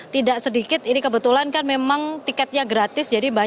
tidak sedikit ini kebetulan kan memang tiketnya gratis